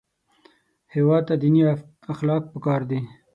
هېواد ته دیني اخلاق پکار دي